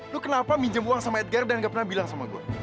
lu kenapa minjem uang sama edgar dan gak pernah bilang sama gue